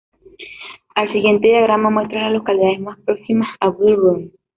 El siguiente diagrama muestra a las localidades más próximas a Bull Run.